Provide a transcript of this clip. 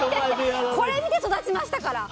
これ見て育ちましたから。